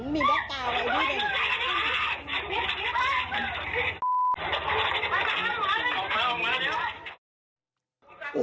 มีอะไรขึ้น